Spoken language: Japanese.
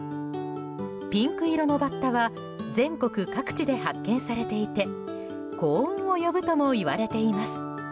ピンク色のバッタは全国各地で発見されていて幸運を呼ぶともいわれています。